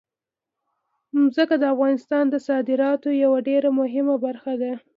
ځمکه د افغانستان د صادراتو یوه ډېره مهمه برخه ده.